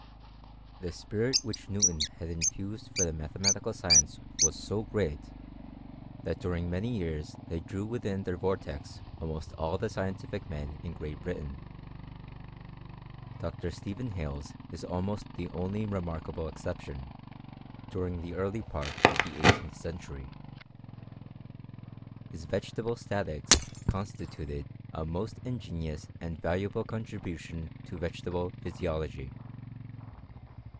The spirit which Newton had infused for the ma lematical science was so great, that during many year* ley drew within their vortex almost all the scientific en in Great Britain. Dr. Stephen Hales is almost tha ily remarkable exception, during the early part of the ^hteenth century. His vegetable statics constituted most ingenious and valuable contribution to vegeta e physiology.